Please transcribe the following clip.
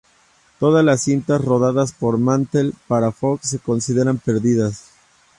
Todas las cintas rodadas por Mantell para "Fox" se consideran perdidas.